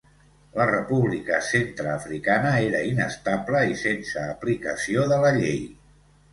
La República Centreafricana era inestable i sense aplicació de la llei.